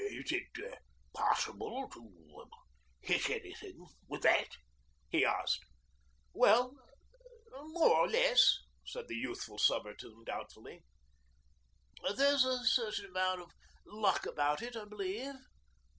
'Is it possible to er hit anything with that?' he asked. 'Well, more or less,' said the youthful subaltern doubtfully. 'There's a certain amount of luck about it, I believe.'